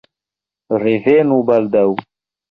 Revenu baldaŭ!